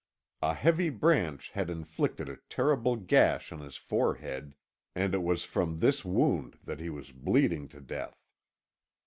A heavy branch had inflicted a terrible gash on his forehead, and it was from this wound that he was bleeding to death.